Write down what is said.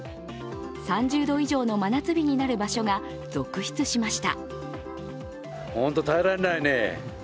３０度以上の真夏日になる場所が続出しました。